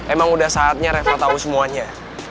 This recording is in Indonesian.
emang udah saatnya reva tahu semuanya